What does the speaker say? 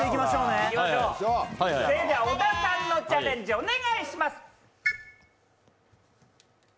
小田さんのチャレンジ、お願いします。